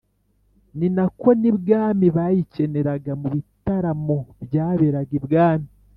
ninako n’ibwami bayikeneraga, mu bitaramo byaberaga ibwami.